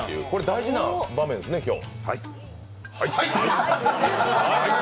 大事な場面ですね、今日。